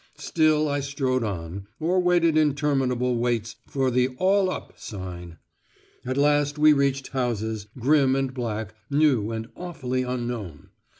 Still I strode on, or waited interminable waits for the "All up" signal. At last we reached houses, grim and black, new and awfully unknown.